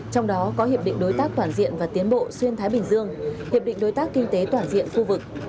trong đó có hiệp định đối tác toàn diện và tiến bộ xuyên thái bình dương hiệp định đối tác kinh tế toàn diện khu vực